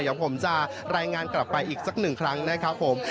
เดี๋ยวผมจะรายงานกลับไปอีกสักหนึ่งครั้งนะครับผม